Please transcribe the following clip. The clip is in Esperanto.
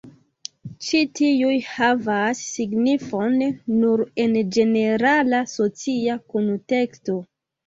Ĉi tiuj havas signifon nur en ĝenerala socia kunteksto.